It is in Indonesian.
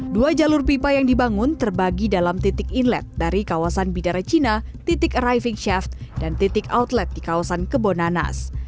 dua jalur pipa yang dibangun terbagi dalam titik inlet dari kawasan bidara cina titik arriving shaft dan titik outlet di kawasan kebonanas